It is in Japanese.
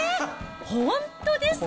本当ですか。